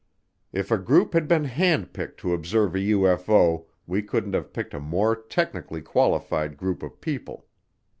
If a group had been hand picked to observe a UFO, we couldn't have picked a more technically qualified group of people.